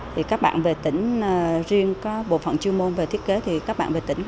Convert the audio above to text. thì các bạn về tỉnh riêng có bộ phận chuyên môn về thiết kế thì các bạn về tỉnh